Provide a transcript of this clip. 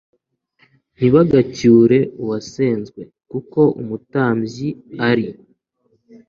ntibagacyure uwasenzwe kuko umutambyi ari